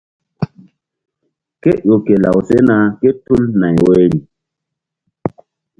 Kéƴo ke law sena kétul nay woyri.